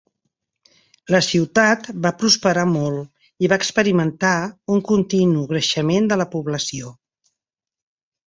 La ciutat va prosperar molt i va experimentar un continu creixement de la població.